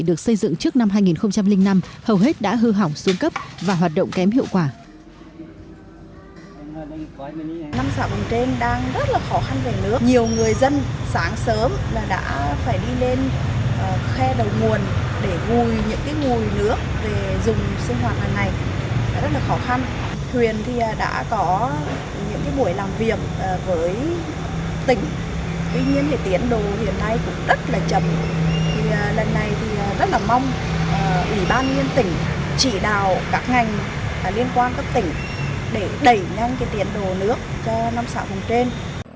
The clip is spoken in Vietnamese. lần này rất là mong ủy ban nguyên tỉnh chỉ đào các ngành liên quan các tỉnh để đẩy nhanh tiện đồ nước cho năm xã bồng trên